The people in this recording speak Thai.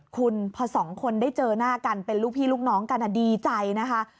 คุณพอสองคนได้เจอหน้ากันเป็นลูกพี่ลูกน้องกันดีใจนะคะ